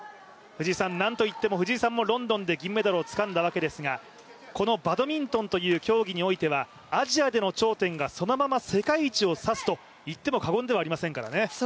なんといっても藤井さんもロンドンで銀メダルをつかんだわけですがこのバドミントンという競技においてはアジアの頂点がそのまま世界一を指すといっても過言ではありませんからね。